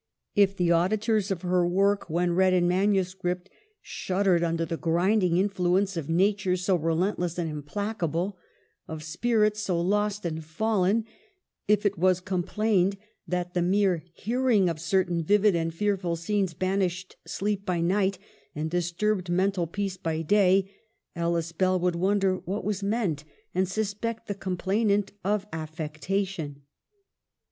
If the auditors of her work, when read in manu script, shuddered under the grinding influence of natures so relentless and implacable — of spirits so lost and fallen ; if it was complained that the mere hearing of certain vivid and fearful scenes banished sleep by night and disturbed mental peace by day, Ellis Bell would wonder what was meant and suspect the complainant of affecta tion.